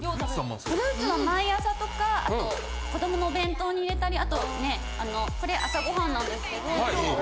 フルーツは毎朝とかあと子どものお弁当に入れたりあとねこれ朝ごはんなんですけど。